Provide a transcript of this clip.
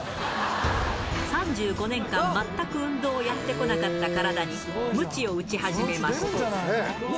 ３５年間全く運動をやってこなかった体にむちを打ち始めました。